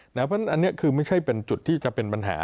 เพราะฉะนั้นอันนี้คือไม่ใช่เป็นจุดที่จะเป็นปัญหา